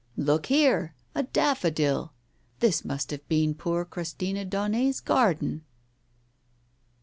" Look here ! A daffodil ! This must have been poor Christina Daunet's garden